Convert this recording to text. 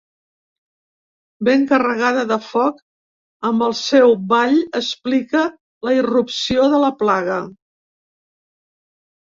Ben carregada de foc, amb el seu ball explica la irrupció de la plaga.